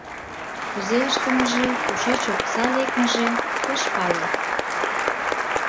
Кузе ыштымыже, кушеч окса лекмыже пеш пале.